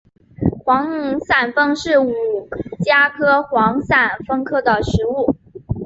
幌伞枫是五加科幌伞枫属的植物。